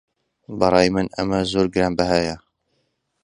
بەڕای من ئەمە زۆر گرانبەهایە.